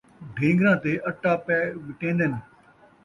ڈھین٘گراں تے اٹا پئے وٹین٘دن